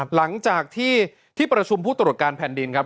หลังจากที่ที่ประชุมผู้ตรวจการแผ่นดินครับ